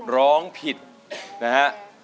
ร้องผิดนะฮะ